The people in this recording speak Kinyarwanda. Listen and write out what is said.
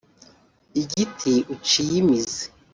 igiti uciye imizi